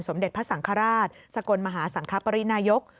เด็จพระสังฆราชสกลมหาสังคปรินายก